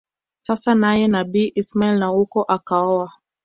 sasa naye Nabii Ismail na huko akaoa